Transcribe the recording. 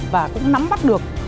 và cũng nắm mắt được